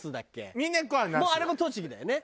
もうあれも栃木だよね。